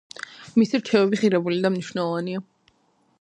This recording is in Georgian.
მისი რჩევები ღირებული და მნიშვნელოვანია